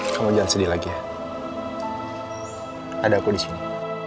kamu jangan sedih lagi ya ada aku di sini